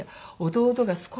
弟が少しね